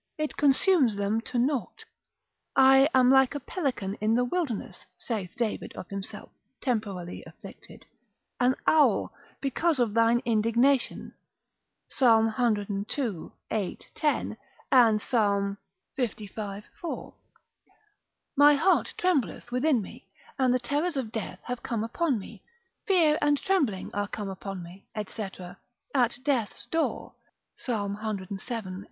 It consumes them to nought, I am like a pelican in the wilderness (saith David of himself, temporally afflicted), an owl, because of thine indignation, Psalm cii. 8, 10, and Psalm lv. 4. My heart trembleth within me, and the terrors of death have come upon me; fear and trembling are come upon me, &c. at death's door, Psalm cvii.